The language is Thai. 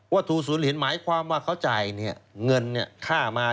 ถูกศูนย์เหรียญหมายความว่าเขาจ่ายเงินค่ามา